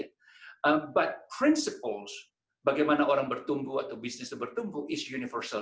tetapi prinsip bagaimana orang bertumbuh atau bisnis bertumbuh adalah universal